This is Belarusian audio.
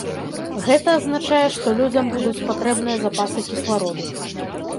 Гэта азначае, што людзям будуць патрэбныя запасы кіслароду.